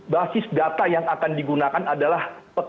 basis data yang akan digunakan adalah